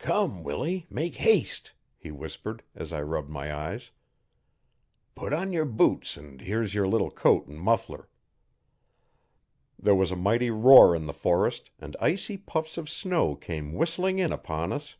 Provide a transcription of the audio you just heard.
'Come, Willy, make haste,' he whispered, as I rubbed my eyes. 'Put on yer boots, an' here's yer little coat 'n' muffler.' There was a mighty roar in the forest and icy puffs of snow came whistling in upon us.